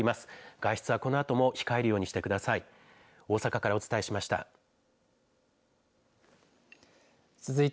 外出はこのあとも控えるようにしてください。